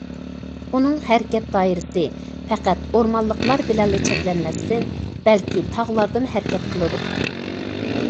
ئۇنىڭ ھەرىكەت دائىرىسى پەقەت ئورمانلىقلار بىلەنلا چەكلەنمەستىن، بەلكى تاغلاردىمۇ ھەرىكەت قىلىدۇ.